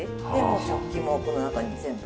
食器もこの中に全部。